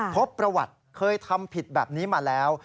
พบประวัติเคยทำผิดแบบนี้มาแล้ว